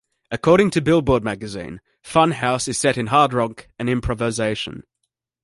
According to "Billboard" magazine, "Fun House" is set in hard rock and improvisation.